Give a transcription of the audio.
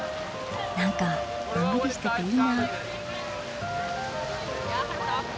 なんかのんびりしてていいな。